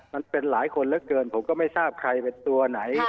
มันเป็นหลายคนเหลือเกินผมก็ไม่ทราบใครเป็นตัวไหน